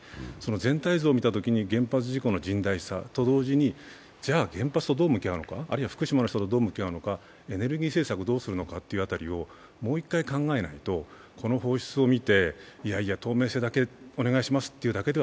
全体像を見たときに原発事故の甚大さと同時にじゃ原発とどう向き合うのか、福島の人とどう向き合うのか、エネルギー政策をどうするのかという辺りをもう一回考えないと、この放出を見ていやいや透明性だけお願いしますだけで